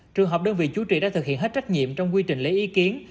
trường hợp đơn vị chú trì đã thực hiện hết trách nhiệm trong quy trình lấy ý kiến